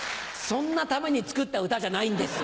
そんなために作った歌じゃないんです。